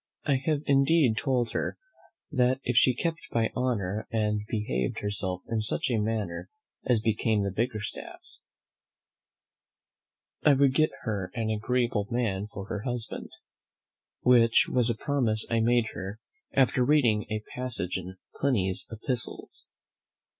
I have indeed told her that if she kept her honour, and behaved herself in such a manner as became the Bickerstaffs, I would get her an agreeable man for her husband; which was a promise I made her after reading a passage in Pliny's "Epistles."